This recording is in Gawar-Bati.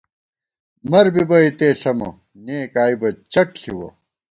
مَر بِبہ اِتے ݪَمہ، نېک آئی بہ چَٹ ݪِوَہ